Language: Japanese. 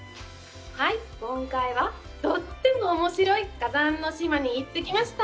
今回は、とってもおもしろい火山の島に行ってきました。